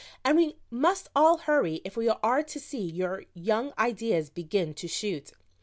"And we must all hurry if we are to see your young ideas begin to shoot.